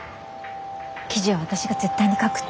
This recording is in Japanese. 記事は私が絶対に書くって。